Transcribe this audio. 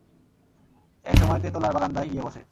এক সময় তেতলার বারান্দায় গিয়ে বসে।